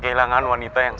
gue kehilangan wanita yang